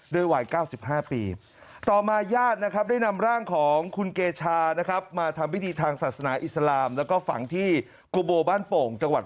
วัย๙๕ปีต่อมาญาตินะครับได้นำร่างของคุณเกชานะครับมาทำพิธีทางศาสนาอิสลามแล้วก็ฝังที่กุโบบ้านโป่งจังหวัด